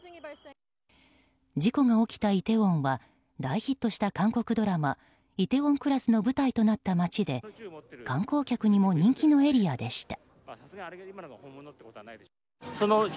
事故が起きたイテウォンは大ヒットした韓国ドラマ「梨泰院クラス」の舞台となった街で観光客にも人気のエリアでした。